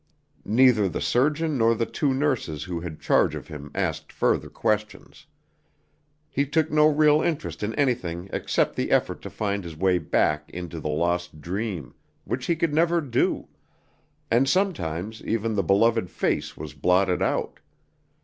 Neither the surgeon nor the two nurses who had charge of him asked further questions. He took no real interest in anything except the effort to find his way back into the lost dream, which he could never do; and sometimes even the beloved face was blotted out.